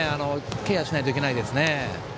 ケアしないといけないですね。